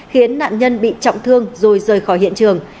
khiến nạn nhân bị trọng thương rồi rời khỏi hiện trường